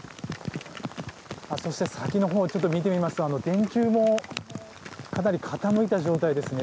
そして、先のほうちょっと見てみますと電柱もかなり傾いた状態ですね。